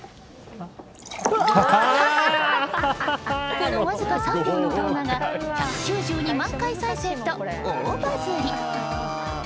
このわずか３秒の動画が１９２万回再生と大バズり。